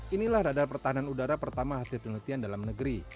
inilah radar pertahanan udara pertama hasil penelitian dalam negeri